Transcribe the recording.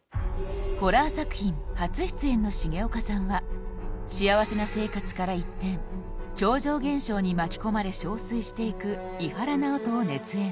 ホラー作品初出演の重岡さんは幸せな生活から一転超常現象に巻き込まれ憔悴していく伊原直人を熱演